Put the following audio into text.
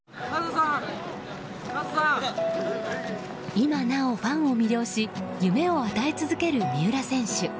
今なおファンを魅了し夢を与え続ける三浦選手。